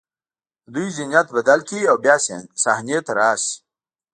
د دوی ذهنیت بدل کړي او بیا صحنې ته راشي.